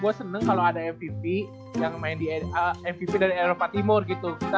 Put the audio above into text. gue seneng kalau ada mvp dari eropa timur gitu